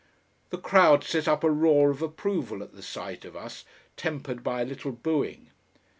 The crowd set up a roar of approval at the sight of us, tempered by a little booing.